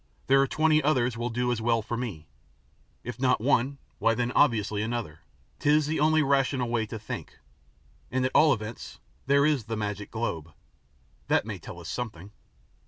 There are twenty others will do as well for me. If not one, why then obviously another, 'tis the only rational way to think, and at all events there is the magic globe. That may tell us something."